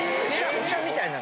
お茶みたいな。